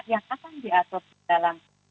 yang akan diatur dalam